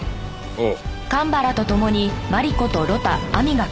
おう。